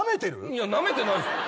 いやなめてないっす。